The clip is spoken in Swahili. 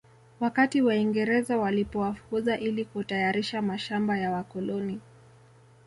Wakati Waingereza walipowafukuza ili kutayarisha mashamba ya wakoloni